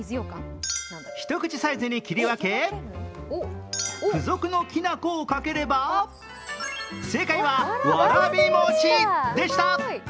一口サイズに切り分け、付属のきな粉をかければ正解は、わらび餅でした。